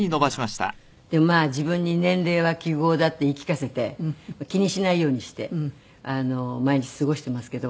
でも自分に年齢は記号だって言い聞かせて気にしないようにして毎日過ごしていますけど。